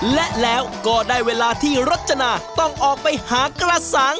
และแล้วก็ได้เวลาที่รจนาต้องออกไปหากระสัง